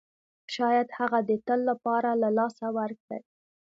شاید هغه د تل لپاره له لاسه ورکړئ.